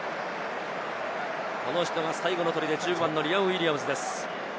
この人が最後の砦、１０番のリアム・ウィリアムズです。